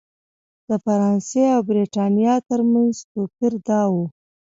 د فرانسې او برېټانیا ترمنځ توپیر دا و.